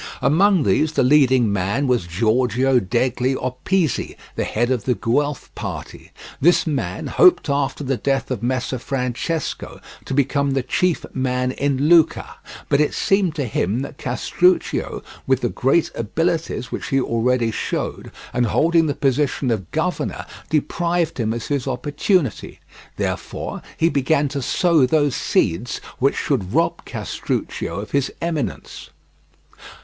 Among these the leading man was Giorgio degli Opizi, the head of the Guelph party. This man hoped after the death of Messer Francesco to become the chief man in Lucca, but it seemed to him that Castruccio, with the great abilities which he already showed, and holding the position of governor, deprived him of his opportunity; therefore he began to sow those seeds which should rob Castruccio of his eminence.